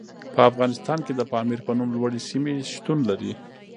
په افغانستان کې د پامیر په نوم لوړې سیمې شتون لري.